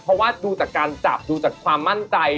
เพราะว่าดูจากการจับดูจากความมั่นใจ